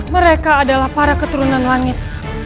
mereka adalah para keturunan langit